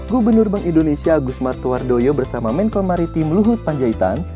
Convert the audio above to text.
gubernur bank indonesia agus martuardoyo bersama menko maritim luhut panjaitan